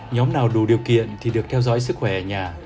nhóm nào đủ điều kiện thì được theo dõi sức khỏe ở nhà